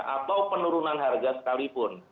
atau penurunan harga sekalipun